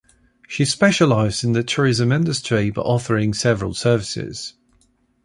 She specialized in the tourism industry by offering several services.